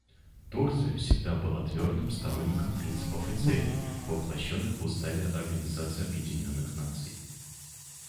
Турция всегда была твердым сторонником принципов и целей, воплощенных в Уставе Организации Объединенных Наций.